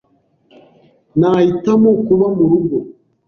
Nahitamo kuba murugo.